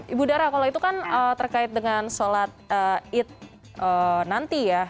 ibu dara kalau itu kan terkait dengan sholat id nanti ya